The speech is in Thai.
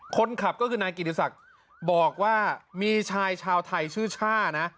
คนขับก็คือนายกิติศักดิ์บอกว่ามีชายชาวไทยชื่อช่านะ